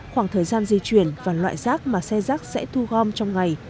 khoảng thời gian di chuyển và loại rac mà xe rac sẽ thu gom trong ngày